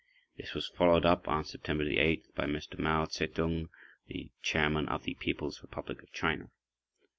This was followed up on September 8th by Mr. Mao Tse tung, the Chairman of the People's Republic of China.